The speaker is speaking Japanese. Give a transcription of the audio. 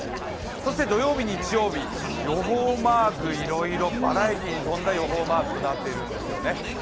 そして土曜日、日曜日、予報マークいろいろ、バラエティーに富んだ予報マークとなっているんですよね。